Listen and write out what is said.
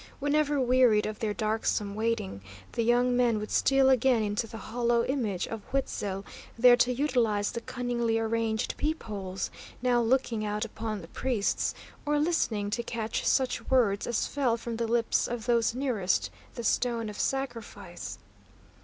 Whenever wearied of their darksome waiting, the young men would steal again into the hollow image of Huitzil', there to utilise the cunningly arranged peepholes, now looking out upon the priests, or listening to catch such words as fell from the lips of those nearest the stone of sacrifice.